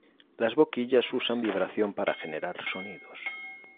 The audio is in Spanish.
Las boquillas usan vibración para generar sonidos.